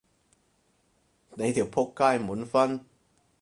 你條僕街滿分？